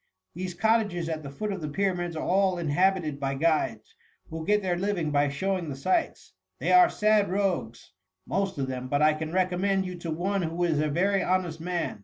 These cottages at the foot of the Pyramids are all inhabited by guides, who get their living by showing the sights. They are sad rogues, most of them, but I can recommend you to one who is a very honest man.